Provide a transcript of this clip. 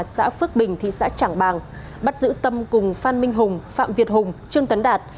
xã phước bình thị xã trảng bàng bắt giữ tâm cùng phan minh hùng phạm việt hùng trương tấn đạt